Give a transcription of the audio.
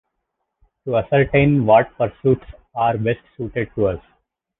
To ascertain what pursuits are best suited to us.